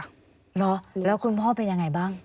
เหรอแล้วคุณพ่อเป็นยังไงบ้าง